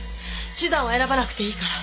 手段は選ばなくていいから。